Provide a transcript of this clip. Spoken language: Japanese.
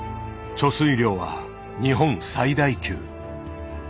貯水量は日本最大級。